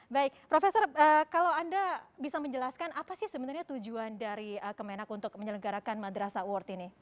baik profesor kalau anda bisa menjelaskan apa sih sebenarnya tujuan dari kemenak untuk menyelenggarakan madrasah award ini